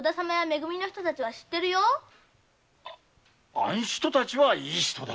あん人たちはいい人だ。